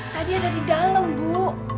tadi ada di dalam bu